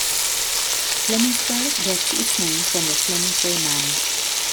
Flemingsberg gets its name from the Flemingsberg manor.